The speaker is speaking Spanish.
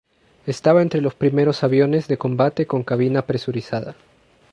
Estaba entre los primeros aviones de combate con cabina presurizada.